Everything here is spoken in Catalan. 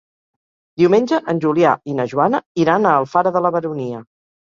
Diumenge en Julià i na Joana iran a Alfara de la Baronia.